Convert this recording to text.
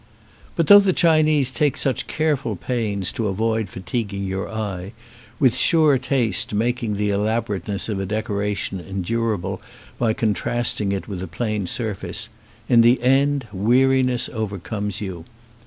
But though the Chinese take such careful pains to avoid fatiguing your eye, with sure taste mak ing the elaborateness of a decoration endurable by contrasting it with a plain surface, in the end weariness overcomes you.